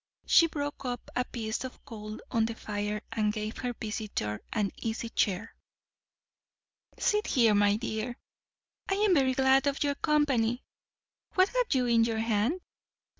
She broke up a piece of coal on the fire, and gave her visitor an easy chair. "Sit there, my dear. I am very glad of your company. What have you in your hand?